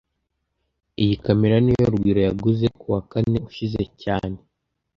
Iyi kamera niyo Rugwiro yaguze kuwa kane ushize cyane